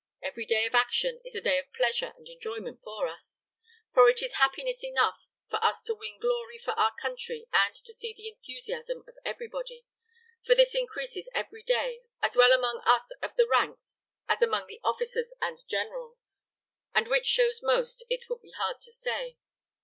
Every day of action is a day of pleasure and enjoyment for us; for it is happiness enough for us to win glory for our country and to see the enthusiasm of everybody; for this increases every day, as well among us of the ranks as among the officers and generals, and which shows most it would be hard to say.